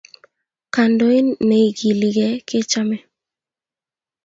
Kandoin ne igilegelei kechame